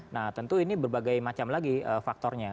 nah tentu ini berbagai macam lagi faktornya